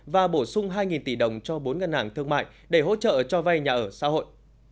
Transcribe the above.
và bổ sung hai tỷ đồng cho bốn ngân hàng thương mại để hỗ trợ cho vay nhà ở xã hội